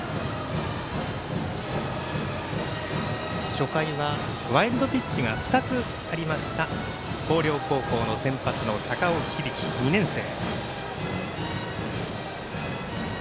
初回はワイルドピッチが２つありました、広陵高校先発の高尾響、２年生。